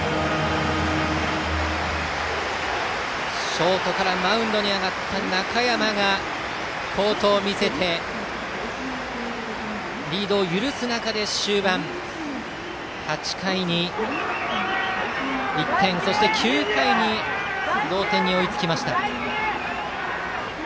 ショートからマウンドに上がった中山が好投を見せて、リードを許す中で終盤、８回に１点そして９回に同点に追いつきました。